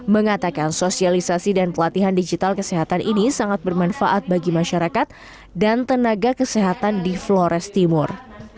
mengatakan sosialisasi dan pelatihan digital kesehatan ini sangat bermanfaat bagi masyarakat dan tenaga kesehatan di flores timur